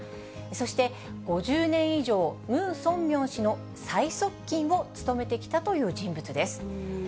そして５０年以上、ムン・ソンミョン氏の最側近を務めてきたという人物です。